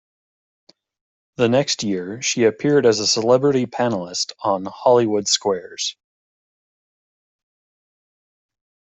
The next year, she appeared as a celebrity panelist on "Hollywood Squares".